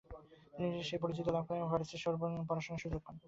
তিনি পরিচিতি লাভ করেন এবং প্যারিসের সোরবনে পড়াশোনার সুযোগ পান।